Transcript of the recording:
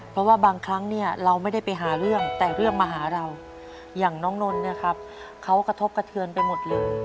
เพราะว่าบางครั้งเนี่ยเราไม่ได้ไปหาเรื่องแต่เรื่องมาหาเราอย่างน้องนนท์เนี่ยครับเขากระทบกระเทือนไปหมดเลย